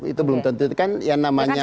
itu kan yang namanya